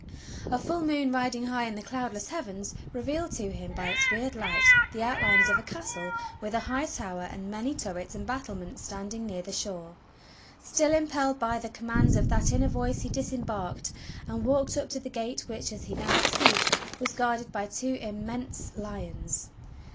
A full moon riding high in the cloudless heavens revealed to him by its weird light the outlines of a castle with a high tower and many turrets and battlements standing near the shore. Still impelled by the commands of that inner voice he disembarked and walked up to the gate which, as he now perceived, was guarded by two immense lions.